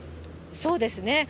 そうですね。